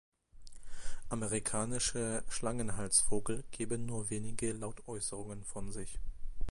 Amerikanische Schlangenhalsvogel geben nur wenige Lautäußerungen von sich.